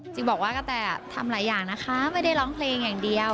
บอกว่ากะแต่ทำหลายอย่างนะคะไม่ได้ร้องเพลงอย่างเดียว